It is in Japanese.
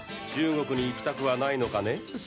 中国に行きたくはないのかね？